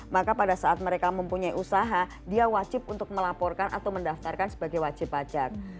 maka pada saat mereka mempunyai usaha dia wajib untuk melaporkan atau mendaftarkan sebagai wajib pajak